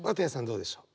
どうでしょう？